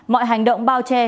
mọi hành động bao che